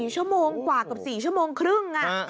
ชั่วโมงกว่ากับ๔ชั่วโมงครึ่ง